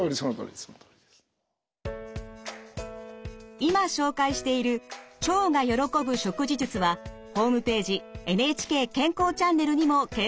今紹介している腸が喜ぶ食事術はホームページ「ＮＨＫ健康チャンネル」にも掲載しています。